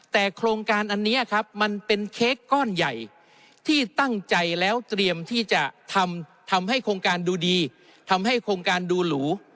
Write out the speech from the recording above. แต่โครงการอันนี้ครับมันเป็นเค้กก้อนใหญ่ที่ตั้งใจแล้วเตรียมที่จะทำให้โครงการดูดีทำให้โครงการดูหรู